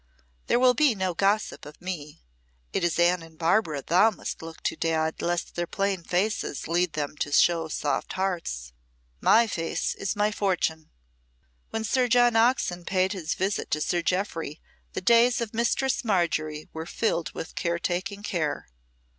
"There will be no gossip of me. It is Anne and Barbara thou must look to, Dad, lest their plain faces lead them to show soft hearts. My face is my fortune!" When Sir John Oxon paid his visit to Sir Jeoffry the days of Mistress Margery were filled with carking care.